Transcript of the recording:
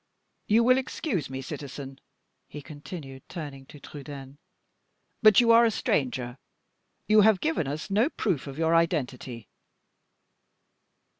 You will excuse me, citizen," he continued, turning to Trudaine; "but you are a stranger. You have given us no proof of your identity."